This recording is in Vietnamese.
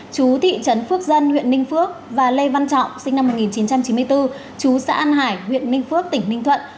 chú thị trấn phước dân huyện ninh phước và lê văn trọng sinh năm một nghìn chín trăm chín mươi bốn chú xã an hải huyện ninh phước tỉnh ninh thuận